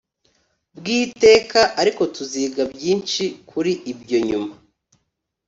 Bw iteka ariko tuziga byinshi kuri ibyo nyuma